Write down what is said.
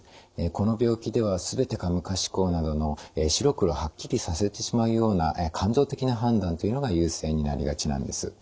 この病気では「すべてか無か思考」などの白黒はっきりさせてしまうような感情的な判断というのが優勢になりがちなんです。